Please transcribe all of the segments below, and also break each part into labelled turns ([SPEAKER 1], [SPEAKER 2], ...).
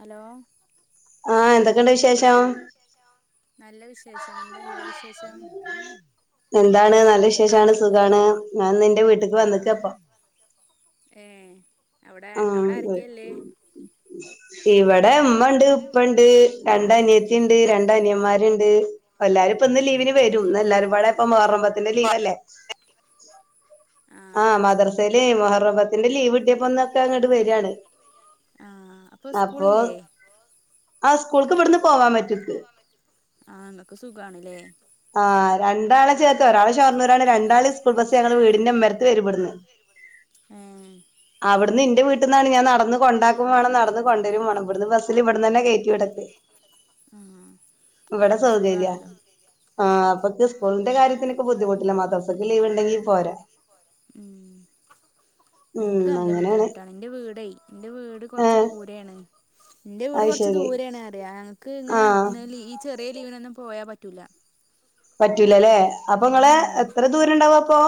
[SPEAKER 1] Hello.
[SPEAKER 2] ആ എന്തൊക്കുണ്ട് വിശേഷം
[SPEAKER 1] നല്ല വിശേഷം എന്താങ്ങളെ വിശേഷം
[SPEAKER 2] എന്താണ് നല്ല വിശേഷാണ് സുഖാണ് ഞാൻ നിന്റെ വീട്ടിക്ക് വന്നിക്കിപ്പം
[SPEAKER 1] ഏ അവിടെ അവിടെ ആരൊക്കെ ഉള്ളേ
[SPEAKER 2] ഇവിടെ ഉമ്മ ഉണ്ട് ഉപ്പണ്ട് രണ്ട് അനിയത്തിയിണ്ട് രണ്ട് അനിയന്മാരുണ്ട് എല്ലാരുപ്പം ഇന്ന് ലീവിന് വെരും എല്ലാരും പാടെപ്പ മുഹറം ലീവല്ലേ ആ മദ്രസയിലെ മുഹറം ബത്തിന്റെ ലീവ് കിട്ടിയപ്പന്നൊക്കെ അങ്ങോട്ട് വെരിയാണ്
[SPEAKER 1] ആ അപ്പൊ സ്കൂളില്ലേ
[SPEAKER 2] ആ സ്കൂൾക്ക് ഇവിടുന്ന് പോവാൻ പറ്റു
[SPEAKER 1] ആ നിങ്ങൾക്ക് സുഖണല്ലേ
[SPEAKER 2] ർത്ത് ഒരാളെ ഷൊർണൂറാണ് രണ്ടാള്‌ സ്കൂൾ ബസ് ഞങ്ങള് വീടിന്റെമരത്ത് വെരു ഇവിടെ അവിടുന്ന് ഇ എന്റെ വീട്ടിൽന്നാണ് ഞാൻ നടന്ന് കൊണ്ടാക്കും വേണം നടന്ന് കൊണ്ട് വെരും വേണം ഇവിടുന്ന് ബസ്സിൽ ഇവിടുന്ന്ന്നെ കയറ്റിവിടക്ക് ഇവിടെ സൗകര്യ ആ അപ്പൊക്ക് സ്കൂളിന്റെ കാര്യത്തി ബുദ്ധിമുട്ടില്ല മാത്രം മദ്രസക്ക് ലീവ് ഉണ്ടെങ്കിൽ പോരാ
[SPEAKER 1] ഉം ഞങ്ങക്ക് നല്ല ബുദ്ധിമുട്ടാണ് എന്റെ വീടെ എന്റെ വീട് കൊറച്ച് ദൂരെയാണ് എന്റെ വീട് കൊറച്ച് ദൂരെയാണ് അറിയ ഞങ്ങക്ക് ഇങ്ങനെ ഈ ചെറിയ ലീവിനൊന്നും പോയാ പറ്റൂല്ല
[SPEAKER 2] പറ്റൂലല്ലേ അപ്പൊ നിങ്ങള് എത്ര ദൂരം ഉണ്ടാവും അപ്പൊ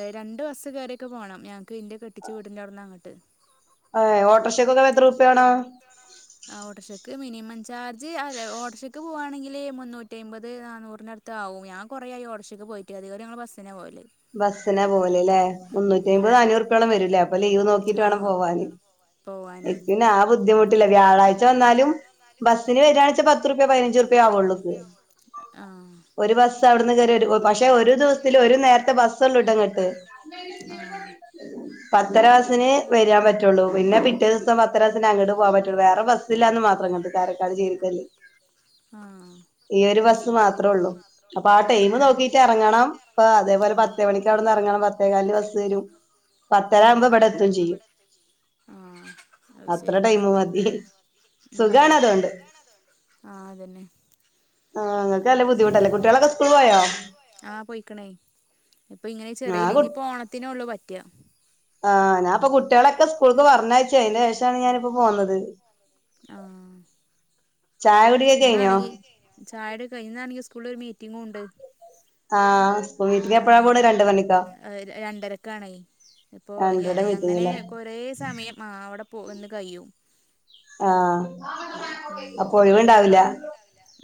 [SPEAKER 1] ഏ രണ്ട് ബസ് കയറിയൊക്കെ പോണം ഞങ്ങക്ക് ഇന്റെയെ കെട്ടിച്ച വീടിന്റെ അവിടെന്ന് അങ്ങോട്ട്
[SPEAKER 2] അതെ
[SPEAKER 1] ഓട്ടോറിക്ഷയ്ക്ക് എത്ര രൂപയാണ് ഓട്ടോറിക്ഷക്ക് മിനിമം ചാർജ് അല്ല ഓട്ടോറിക്ഷയ്ക്ക് പോവാണെങ്കിൽ മുന്നൂറ്റി എമ്പത് നന്നൂറിന് അടുത്ത് ആവും ഞാൻ കുറയായി ഓട്ടോക്ഷ പോയിട്ട് അധികം ഞങ്ങള് ബസിലാ പോവാല്
[SPEAKER 2] ബസ്സിനാ പോവലില്ലേ മുന്നൂറ്റി എമ്പത് നാനൂറുപ്പോളം വരൂല്ലേ അപ്പൊ ലീവ് നോക്കിട്ട് വേണം പോവാന്
[SPEAKER 1] പോവാന്
[SPEAKER 2] പിന്നെ ആ ബുദ്ധിമുട്ടില്ല വ്യാഴാഴ്ച വന്നാലും ബസ്സിന് വരിണെച്ചാൽ പത്ത്റുപേ പതിനഞ്ചുറുപേ ആവുള്ളു
[SPEAKER 1] ആ
[SPEAKER 2] അവിടുന്ന് കയറി പക്ഷെ ഒരു ദിവസത്തില് ഒരു നേരത്തെ ബസ് ഉള്ളൂ ഇട്ടഇങ്ങോട്ട് [inaudible] പത്തരബസിന് വരാൻ പറ്റുള്ളൂ പിന്നെ പിറ്റേ ദിവസം പത്തരബസിന് അങ്ങോട്ട് പോകൻ പറ്റുള്ളൂ വേറെ ബസ്സില്ലാന്ന് മാത്രം അത് കാരക്കാട് ജീവിതല്ലേ
[SPEAKER 1] ആ
[SPEAKER 2] ഈ ഒരു ബസ് മാത്രേ ഉള്ളൂ അപ്പൊ ആ ടൈം നോക്കിട്ട് ഇറങ്ങണം ഇപ്പ അതേപോലെ പത്ത് മണി അവിടുന്ന് ഇറങ്ങണം പത്തേകാല് ബസ് വെരും പത്തരാവുമ്പോ ഇവിടെ എത്തും ചെയ്യും അത്ര ടൈമു മതി സുഖമാണ് അതൊണ്ട്
[SPEAKER 1] ആതന്നെ
[SPEAKER 2] ആ അങ്ങക്ക് അല്ലേ ബുദ്ധിമുട്ടല്ലേ കുട്ടികളൊക്കെ സ്കൂളി പോയാ
[SPEAKER 1] ഇപ്പൊ ഇങ്ങനെ ചെറിയില്ല ഇനി ഓണത്തിനേ ഉള്ളൂ പറ്റ്
[SPEAKER 2] ആ ഞാൻ അപ്പൊ കുട്ടികളൊക്കെ സ്കൂൾക്ക് പറഞ്ഞയിച്ച അതിനുശേഷണ് ഞാനിപ്പോ പോന്നത്
[SPEAKER 1] ആ ഇന്നാണെങ്കി ചായ കുടിയൊക്കെ കഴിഞ്ഞ് ഇന്നാണെങ്കി സ്കൂളിൽ ഒരു മീറ്റിങ്ങും ഉണ്ട്
[SPEAKER 2] ആ വീട്ടി എപ്പഴാ പൊന്നേ രണ്ടുമണിക്ക
[SPEAKER 1] ഇപ്പൊ അങ്ങനെ കൊറേ സമയം അവിടെ പോന്ന് കഴിയും
[SPEAKER 2] ആ അപ്പൊ ഒഴിവുണ്ടാവില്ല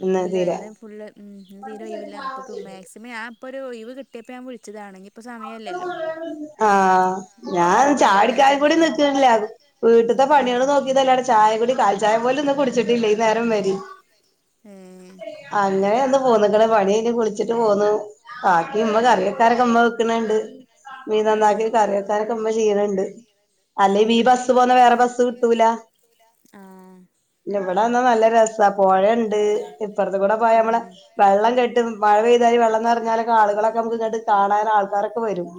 [SPEAKER 1] ഇന്ന്ല്ലാ ഇന്ന് ഫുള്ള് ഉം തീരെ ഒഴിവില്ല അപ്പൊ മാക്സിമം ആ ഇപ്പോ ഒഴവ കിട്ടിയപ്പോ ഞാൻ വിളിച്ചതാണങ്കിൽ
[SPEAKER 2] ആഹ ഞാൻ ചാടിക്കായ കൂടി നക്കിണില്ല വീട്ടത്തെ പ പണികൾ നോക്കിയല്ലടെ ചായ കുടി ചയ പോല ഇന്ന കുടിച്ചിട്ടില്ല ഈ നേരം വരി അങ്ങനെ പോന്നക്കളെ പണിയ കുളിച്ചിട്ട് പോന്നു ബാക്കി ഉമ്മ കറിയക്കാരൊക്കെ ഉമ്മ വെക്കണണ്ട് മീ നന്നാക്കിയ കറിവക്കാനൊക്കെ ഉമ്മ ചെയ്യണണ്ട് അല്ലെ ഈ ബസ് പോന്ന വേറെ ബസ് കിട്ടൂല ഇവിടെന്നാ നല്ല രസ പുഴയുണ്ട് ഇപ്പറത്തെ കൂടെ പോയാ നമ്മളെ വെള്ളം കെട്ടും മഴ പെയ്താൽ വെള്ളം നിറഞ്ഞാലൊക്കെ ആളുകളൊക്കെ നമുക്ക് ഇങ്ങട്ട് കാണാൻ ആൾക്കാരൊക്കെ വരും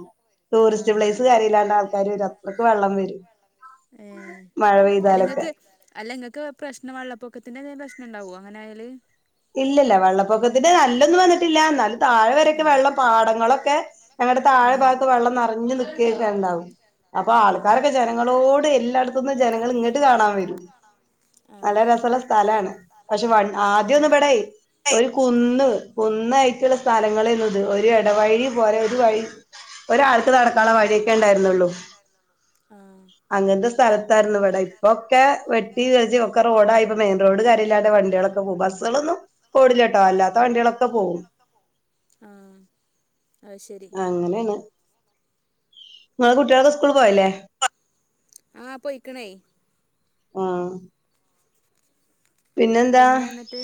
[SPEAKER 2] ടൂറിസ്റ്റ് പ്ലേസ് കാര്യ ഇല്ലാണ്ട ആൾക്കാര് വര അത്രക്ക് വെള്ളം വരും
[SPEAKER 1] ഏ അല്ലെങ്ങക്ക് അല്ലെങ്ങക്ക് പ്രശ്ന വെള്ളപ്പൊക്കത്തിന്റെ പ്രശ്ന ഉണ്ടാവോ അങ്ങനെ ആയല്
[SPEAKER 2] ഇല്ലല്ല വെള്ളപ്പൊക്കത്തിന് ല്ലൊന്നും വന്നിട്ടില്ല എന്നാൽ താഴെ വരക്കെ വെള്ളം പാടങ്ങളൊക്കെ ഞങ്ങടെ താഴെ ഭാഗത്ത് വെള്ളം നെറഞ്ഞു നിക്കെക്കെണ്ടാവും അപ്പൊ ആൾക്കാരൊക്കെ ജനങ്ങളോട് എല്ലായിടത്തന്നും ജനങ്ങൾ ഇങ്ങട്ട് കാണാൻ വരും നല്ല രസള്ള സ്ഥലമാണ് പക്ഷെ ആദ്യൊന്ന്ബടെ ഒരു കുന്ന് ഒന്നായിട്ടുള്ള സ്ഥലങ്ങളന്നത് ഒരു എടവഴി പോലെ ഒരു വഴി ഒരാൾക്ക് നടക്കാള്ള വഴിയെക്കെണ്ടായിരുന്നുള്ളു
[SPEAKER 1] ആ
[SPEAKER 2] അങ്ങനത്തെ സ്ഥലത്തായിരുന്നുവിടെ ഇപ്പൊക്കെ വെട്ടി ജ് ഒക്കെ റോഡായി ഇപ്പ മെയിൻ റോഡ് കാര്യല്ലാടെ വ വണ്ടികളൊക്കെ പോ ബസ്സുകളൊന്നും ഓടില്ലാട്ടാ അല്ലാത്ത വണ്ടികളൊക്കെ പോവും അങ്ങനെയണ് ങ്ങളെ കുട്ട്യളക്കുസ്കൂള് പോയില്ലേ
[SPEAKER 1] ആ പോയിക്കണേ
[SPEAKER 2] ആ
[SPEAKER 1] പിന്നെന്നിട്ട്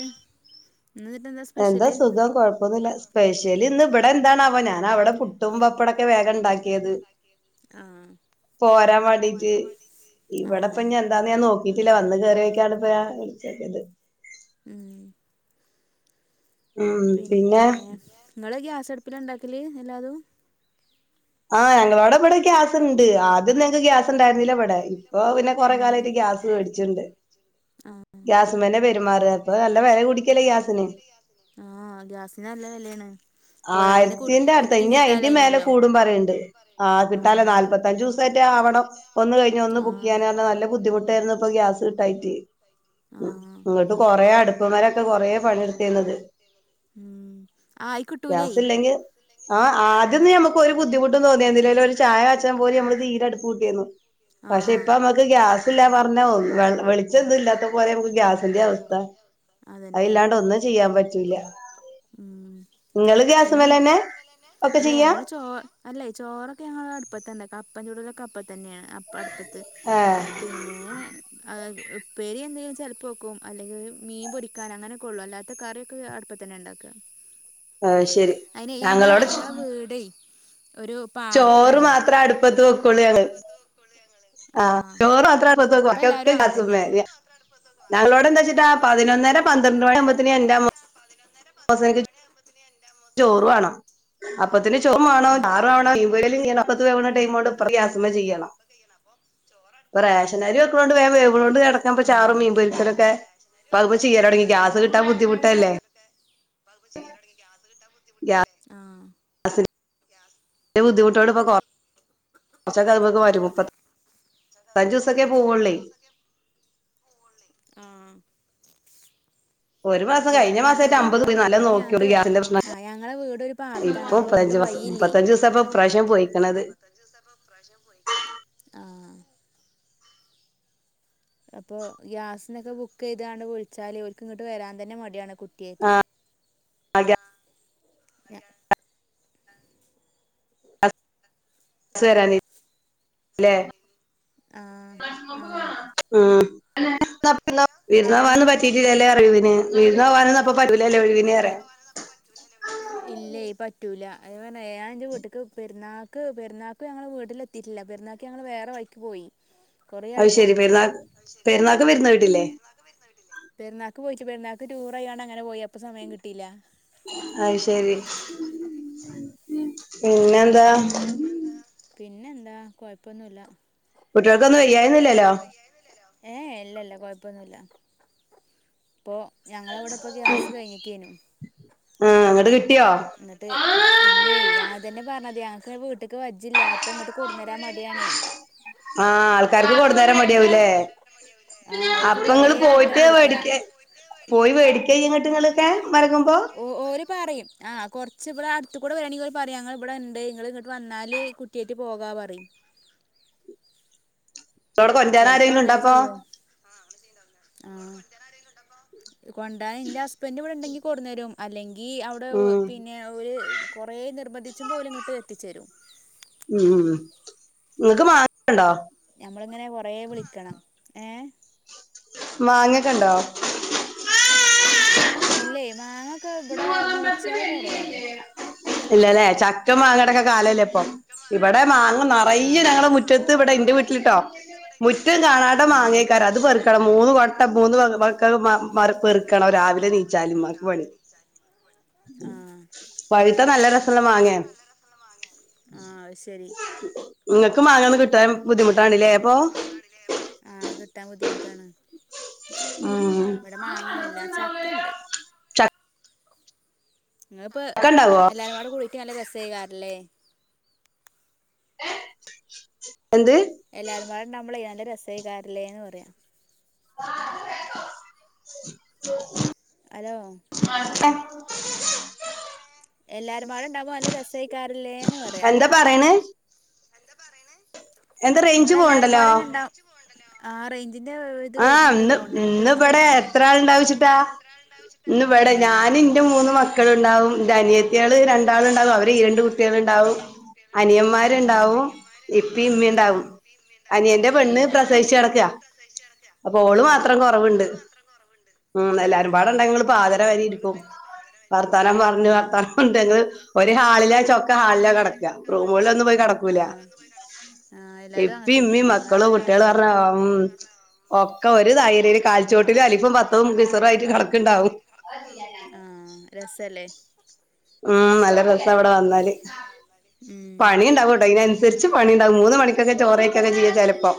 [SPEAKER 2] എന്താ സുഖം കൊഴപ്പൊന്നുല്ല സ്പെഷ്യലിന്നിബ്ടെ എന്താണവാ ഞാൻ അവിടെ പുട്ടുംപപ്പട ക്കെ വേഗണ്ടാക്കിയത്
[SPEAKER 1] ആ
[SPEAKER 2] പോരാൻ വേണ്ടിട്ട് ഇവിടെപ്പ ഇന്യെന്താന്ന് ഞാൻ നോക്കിട്ടില്ല വന്ന് കേറിയെ [unintelligible] [unintelligible]
[SPEAKER 1] ഉം പിന്നെങ്ങള് ഗ്യാസടുപ്പിലാണ്ടാക്കല് എല്ലാതും
[SPEAKER 2] ആ ഞങ്ങളോടെവിടെ ഗ്യാസ്ണ്ട് ആദ്യം നങ്ങക്ക് ഗ്യാസണ്ടായിരുന്നില്ലവിടെ ഓ പിന്നെ കൊറെ കാലേയിട്ട് ഗ്യാസ് വേടിച്ചിണ്ട് ഗ്യാസുംമേലെ പെരുമാറ്ക ഇപ്പൊ നല്ല വെല കൂടിക്കല്ലേ ഗ്യാസിന്
[SPEAKER 1] ആ ഗ്യാസിന് നല്ല വെലന്നെ
[SPEAKER 2] ആയിരത്തിന്റെ അടുത്ത ഇനി അയിന്റെ മേലെ കൂടും പറയ്ണ്ട് ആ കിട്ടാല നാല്പത്തഞ്ചു ദിവസ ആ ആവണം ഒന്ന് കഴിഞ്ഞ ഒന്ന് ബുക്ക് ചെയ്യാന നല്ല ബുദ്ധിമുട്ടായിരുന്നു ഇപ്പൊ ഗ്യാസ് കിട്ടായിട്ട് ഇങ്ങട്ട് കൊറേ അടുപ്പമാരൊക്കെ കൊറേ പണിയെടുത്തിന്നത്
[SPEAKER 1] ആയികിട്ടൂല്ലേ
[SPEAKER 2] ആ ആദ്യംന്ന്ഞമ്മക്ക് ഒരു ബുദ്ധിമുട്ടും തോന്നിയിന്നില്ല പിന്നൊരു ചായ വച്ചാൻ പോലും നമ്മള് തീയ്ലടുപ്പ് കൂട്ടിയിര്ന്ന് പക്ഷെ ഇപ്പമ്മക്ക് ഗ്യാസ് ല്ല പറഞ്ഞോ വെളിച്ചൊന്നും ഇല്ലാത്ത പോലെ നക്ക് ഗ്യാസിന്റെ അവസ്ഥ അയിലാണ്ട് ഒന്നും ചെയ്യാൻ പറ്റൂല
[SPEAKER 1] ഒന്നും ഇല്ല ഞങ്ങള് ചോറ് അല്ലേ ചോറൊക്കെ ഞങ്ങ അടുപ്പത്തണ്ടക്കാ അപ്പ ചൂടലക്കെപ്പ തന്നെയാണ് അടപ്പത്ത് പിന്നെ ഉപ്പേരി എന്തെലും ചെലപ്പോക്കും അല്ലെങ്കിൽ മീൻ പൊരിക്കാൻ അങ്ങനെക്കെള്ളു അല്ലാത്ത കറിയൊക്കെ അടുപ്പത്തന്നെണ്ടാക്ക
[SPEAKER 2] ആ ശരി ഞങ്ങളോട് ചോറ് മാത്രം അടുപ്പത്ത് വെക്കുളൂ ഞങ്ങള് ആ ചോറ് മാത്രം അടുപ്പത്തുക്കു വാക്കിയക്കഗ്യാസുമേലയ ഞാളോട് ന്താച്ചിട്ടാ പതിനൊന്നര പന്ത്രണ്ട് മണി ആവുംമ്പേതിന് [unintelligible] ചോറു വേണം അപ്പത്തനും [unintelligible] ആ ടൈംമോണ്ട് ഇപ്പറഗ്യാസ്മേ ചെയ്യണം പ്പറേഷനേരി വെക്കനൊണ്ട് വേഗം വേവും [unintelligible] ചാറ് മീൻ പൊരിച്ചതൊക്കെ അപ്പ അതിപ്പൊ ചെയ്യലൊടങ്ങി ഗ്യാസ് കിട്ടാൻ ബുദ്ധിമുട്ടല്ലേ
[SPEAKER 1] [unintelligible]
[SPEAKER 2] ഗ്യാ [unintelligible] [unintelligible] അഞ്ചിസൊക്കെ പോവള്ളേ
[SPEAKER 1] പിന്നെ അതേപോലെ ഇവിടെ ഞങ്ങക്ക് ആ ഞങ്ങളടെ വീട് ഒരു പാടത്താണ് അപ്പൊ ഇങ്ങോട്ട്
[SPEAKER 2] മുപത്തഞ്ചു ദിവസപ്പൊ ഇപ്രാവശ്യം പോയിക്കണത്
[SPEAKER 1] പ്രാവശ്യം പോയിക്കണത് അപ്പൊ ഗ്യാസിനൊക്കെ ബുക്ക് ചെയ്താണ്ട് വിളിച്ചാല് ഓർക്ക് ഇങ്ങോട്ട് വരാൻ തന്നെ മടിയാണ് കുറ്റിയായിറ്റ്
[SPEAKER 2] [unintelligible] ല്ലെ ഉ വിരുന്നാ വിരുന്ന് പോവാനൊന്നും പറ്റിയിട്ടില്ലല്ലേ വിരുന്ന് പോകാനൊന്നും അപ്പൊ പറ്റൂലല്ലേ ഒഴുവിൽ
[SPEAKER 1] ആ ഞാന് എന്റെ വീട്ടക്ക് പെരുന്നാക്ക് ക്ക് പെരുന്നാക്ക് ഞങ്ങള് വീട്ടിലെത്തിട്ടില്ല പെരുന്നാൾക്ക് ഞങ്ങൾ വേറെഴിക്ക് പോയി
[SPEAKER 2] അ ശരി പെരുന്നാ പെരുന്നാക്കെ വിരുന്ന് പോയിട്ടില്ലേ
[SPEAKER 1] പെരുന്നാക്ക് ടൂർ പോയാണ്ട് അങ്ങന പോയിപ്പോ സമയം കിട്ടയില്ല
[SPEAKER 2] അ ശരി പിന്നെന്താ
[SPEAKER 1] പിന്നെ എന്താ കൊഴപ്പൊന്നുല്ലാ
[SPEAKER 2] കുട്ടികൾക്കന്ന
[SPEAKER 1] ഏ ഇല്ലല്ല കൊഴപ്പൊന്നുല്ലാ ഇപ്പൊ ഞങ്ങളവിടെ ഇപ്പ ഗ്യാസ് കഴിഞ്ഞിക്കേനു എന്നിട്ട് ഇല്ലേ ഞാൻ അതല്ലേ പറഞ്ഞെ ഞങ്ങക്കെ വീട്ടിക്കി വജ്ജില്ല അപ്പൊ ഇങ്ങോട്ട് കൊടുന്നരാ മടിയാണേ
[SPEAKER 2] ല്ലേ അപ്പ നിങ്ങൾ പോയിട്ട മേടിക്ക [unintelligible]
[SPEAKER 1] ഓ ഓര് പറയും ആ കൊറച്ച ഇവിടെ അടുത്തുകൂടെ വരുയാണെങ്കി ൽ പറയും ഞങ്ങ ഇവിടെ ഉണ്ട് നിങ്ങള് ഇങ്ങട് വന്നാല് കുറ്റിയായിട്ട് പോകാ പറയും
[SPEAKER 2] [unintelligible] അവിടെ കൊണ്ടൊരാൻ ആരെങ്കിലും ഉണ്ടപ്പൊ
[SPEAKER 1] ആ കൊണ്ടരാൻ എന്റെ ഹസ്ബൻഡ് ഇവിടെ ഉണ്ടെങ്കിൽ കൊണ്ടോരും അല്ലെങ്കിൽ ഈ അവിടെ പിന്നെ ഒരു കുറേ നിർബന്ധിച്ചും പോലും ഇങ്ങോട്ട് എത്തിച്ചേരും
[SPEAKER 2] ഉ നിങ്ങക്ക് മാ
[SPEAKER 1] ഞമ്മളിങ്ങനെ കൊറേ വിളിക്കണം
[SPEAKER 2] മാങ്ങൊക്കെണ്ടോ
[SPEAKER 1] ഇല്ലേ മാങ്ങ
[SPEAKER 2] ഇല്ലല്ലേ ചക്ക മാങ്ങടക്കെ കാലല്ല ഇപ്പ ഇവിടെ മാങ്ങ നിറയ ഞങ്ങളുടെ മുറ്റത്ത് ഇവിടെ എന്റെ വീട്ടിലുണ്ട്ട്ടോ മുറ്റം കാണാത്തെ മാങ്ങേക്കാരം അത് പെറുക്കണം മൂന്ന് കൊട്ട മൂന്ന് മക്കളും പെറുക്കണം രാവിലെ ണീറ്റിട്ട് രാവിലെ ഇമ്മക്ക് പണി പഴുത്താ നല്ല രസാ നല്ല മാങ്ങാ നിങ്ങക്ക് മങ്ങേക്കെ കിട്ടുവോ ക ബുദ്ധിമുട്ടാണല്ലേ അപ്പൊ
[SPEAKER 1] ട്ടാണ് ഇവിടെ മാങ്ങന്നല്ല ചക്കണ്ട് ഇങ്ങ ഇപ്പോ എല്ലാരും കോട് കൂടിട്ട് നല്ല രസെക്കാറാലെ
[SPEAKER 2] ന്ത്
[SPEAKER 1] എല്ലാരും പാടെ ണ്ടാവുമ്മളെ നല്ല രസായികാരല്ലേന്ന് പറയാം
[SPEAKER 2] [unintelligible] അ
[SPEAKER 1] എല്ലാരും പാടെ ഉണ്ടാവമ്പോ നല്ല രസേക്കാറല്ലേന്ന് പറയാ നിങ്ങള എല്ലാരും പാടണ്ടാവും
[SPEAKER 2] ആഹ് ഇന്ന് ഇന്ന് ഇവിടെ എത്ര ആൾണ്ടാവച്ചിട്ടാ ഇന്ന് ഇവിടെ ഞാനൻ ഇന്റെ മൂന്ന് മക്കള ഉണ്ടാവും അനിയത്തിയാള് രണ്ടാൾ ഉണ്ടാവും അവര് ഇരുണ്ട കുട്ടികൾ ഉണ്ടാവും അനിയന്മാരുണ്ടാവും ഇപ്പി ഇമ്മുണ്ടാവും അനിയന്റെ പെണ്ണ് പ്രസവിച്ച കടക്കാ അപ്പൊ ഓള് മാത്രം കുറവുണ്ട് ഉ എല്ലാരുംപാട്ണ്ടെങ്ക പാ വരി ഇക്ക വർത്താനം പറഞ്ഞു വർത്താനം പറഞ്ഞെിൽ ഒരു ഹാളിലാ ചൊക്ക ഹാളിലാ കിടക്കുക റൂമുകളിൽ ഒന്നും പോയി കടക്കൂല എപ്പ ഇമ്മീ മക്കളും കുട്ടികളും വ ഒക്കെ ഒരു തൈര് ഒരു കാൽചോടി
[SPEAKER 1] ആഹ രസല്ലേ
[SPEAKER 2] ഉം നല്ല രസം അവിടെ വന്നാല് പണി ഉണ്ടാവൂ കേട്ടോ ഇതിനനുസരിച്ച് പണിണ്ടാവും മൂന്ന് മണിക്കൊക്കെ ചോറക്കൊക്കെ ചെയ്യാ ചിലപ്പോ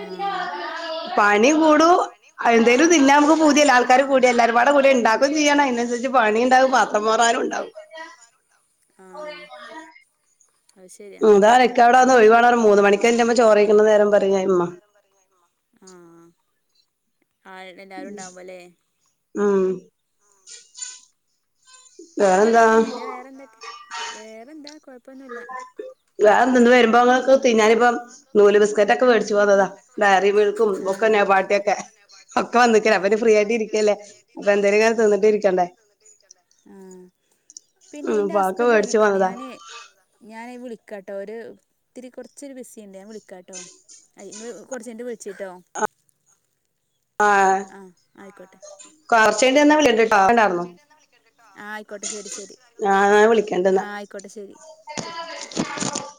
[SPEAKER 1] ആ
[SPEAKER 2] ടും എന്തേുംന്നെക്ക്തില്ല ആൾക്കാര് കൂടി എല്ലാവുംകൂട ഉണ്ടാക്കും ചെയ്യ അതിനുസരി പണി പാത്രം മാറാനും ഉണ്ടാവും
[SPEAKER 1] ആഹ
[SPEAKER 2] ഉതാാരക്ക അവിടെന്ന് ഒഴിവാണ ഒരു മൂന്ന് മണിക്കുമ്പോ ചോറിക്കണുന്ന നേരം പറഞ്ഞമ്മ
[SPEAKER 1] ആഹ ആ എല്ലാരുംണ്ടാവുമല്ലേ പിന്നെ വേറെന്താ വേറെന്താ കൊഴപ്പൊന്നുമല്ല
[SPEAKER 2] വ നിന്ന് വരുമ്പോ തിന്നാനിപ്പം നൂല് ബിസ്ക്കറ്റ് ഒക്കെ മേടിച്ചു പോന്നതാ ഡയറി മിൽക്കും ഒക്കെനെപാട്ടൊക്കെ ഒക്കെ വന്നക്കലേ അപ്പൊ ഇനി ഫ്രീ ആയിട്ട് ഇരിക്കല്ലേ അപ്പൊ എന്തേലും കങ്ങനെ തിന്നിട്ടി ഇരിക്കണ്ടേ
[SPEAKER 1] ആ പിന്നെ എന്റെ ഹസ്ബൻഡ് വരുണ്ടോ ഞാന് ഞാന വിളിക്കട്ട കേട്ടോ ഒത്തിരി കുറച്ചൊരു ബസി തീണ്ടൻ വിളിക്കാട്ടോ അ കൊറച്ച വിളിച്ചിട്ടോ ആഹ ആയിക്കോട്ടെ
[SPEAKER 2] കുറച്ചേണ്ടന്നാ വിള
[SPEAKER 1] ആഹ ആയിക്കോട്ടെ ശരി ശരി ആഹ ആയിക്കോട്ടെ ശെരി
[SPEAKER 2] [unintelligible]